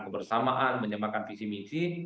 kebersamaan menyemakkan visi misi